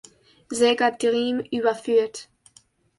Sega Dream überführt.